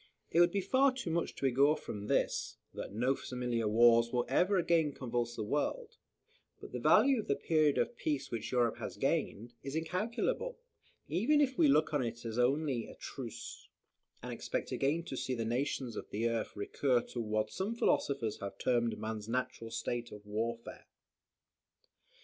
It would be far too much to augur from this, that no similar wars will again convulse the world; but the value of the period of peace which Europe has gained, is incalculable; even if we look on it as only a truce, and expect again to see the nations of the earth recur to what some philosophers have termed man's natural state of warfare.